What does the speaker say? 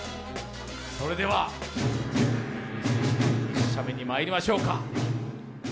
それでは、１射目にまいりましょうか。